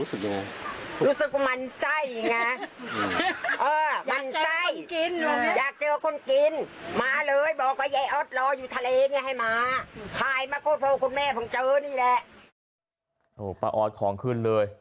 ใครมาโคตรโภคคุณแม่ผมเจอนี่แหละโอ้ป้าออสของขึ้นเลย